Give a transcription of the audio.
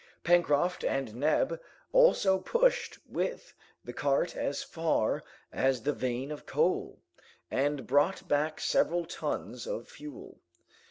Pencroft and Neb also pushed with the cart as far as the vein of coal, and brought back several tons of fuel.